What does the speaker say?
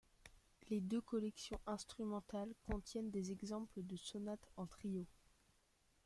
Les deux collections instrumentales contiennent des exemples de sonate en trio.